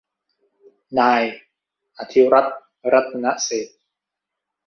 นายอธิรัฐ รัตนเศรษฐ